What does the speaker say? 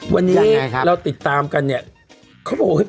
วันนี้เราติดตามกันเนี่ย